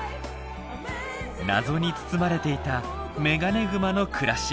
謎に包まれていたメガネグマの暮らし。